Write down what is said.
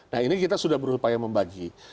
nah ini kita sudah berupaya membagi